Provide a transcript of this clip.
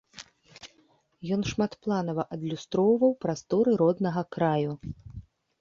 Ён шматпланава адлюстроўваў прасторы роднага краю.